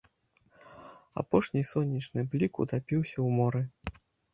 Апошні сонечны блік утапіўся ў моры.